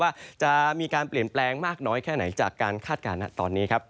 ว่าจะมีการเปลี่ยนแปลงมากน้อยแค่ไหนจากการคาดการณ์ตอนนี้ครับ